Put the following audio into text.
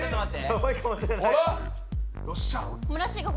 ・ヤバいかもしれない。